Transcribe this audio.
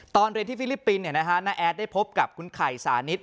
ตอนเรียนที่ฟิลิปปินส์น้าแอดได้พบกับคุณไข่สานิท